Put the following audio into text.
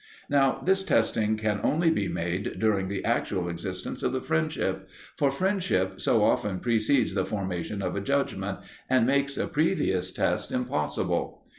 Now this testing can only be made during the actual existence of the friendship; for friendship so often precedes the formation of a judgment, and makes a previous test impossible.